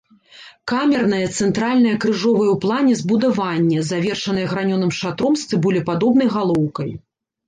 Камернае цэнтральнае крыжовае ў плане збудаванне, завершанае гранёным шатром з цыбулепадобнай галоўкай.